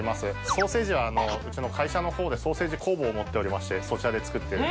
ソーセージはうちの会社の方でソーセージ工房を持っておりましてそちらで作ってる。